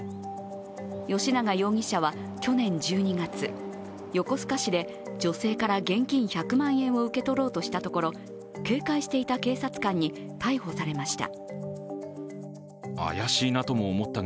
吉永容疑者は去年１２月、横須賀市で女性から現金１００万円を受け取ろうとしたところ、警戒していた警察官に逮捕されました。